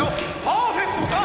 パーフェクトか？